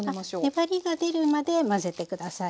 粘りが出るまで混ぜて下さい。